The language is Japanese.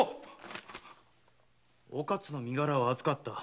「お勝の身柄は預かった。